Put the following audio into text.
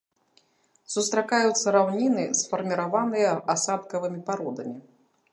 Сустракаюцца раўніны, сфарміраваныя асадкавымі пародамі.